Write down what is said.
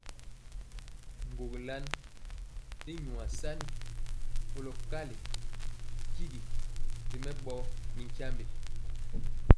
Ŋgogilan i nwaa san kolɔ kali kyigi ri mɛɓɔ mi nkyambe.